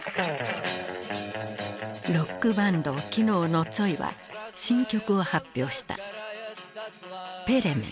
ロックバンドキノーのツォイは新曲を発表した。